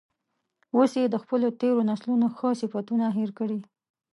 اوس یې د خپلو تیرو نسلونو ښه صفتونه هیر کړي.